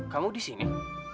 kamu di sini